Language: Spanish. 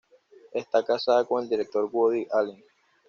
Está casada con el director Woody Allen.